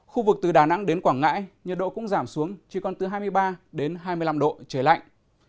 khu vực từ đà nẵng đến quảng ngãi nhiệt độ cũng giảm xuống chỉ còn từ hai mươi ba đến hai mươi năm độ trời lạnh